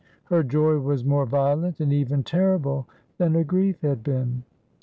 Her joy was more violent and even terrible than her grief had been.